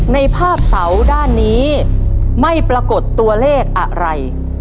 ในภาพเสาด้านนี้ไม่ปรากฏตัวเลขอะไร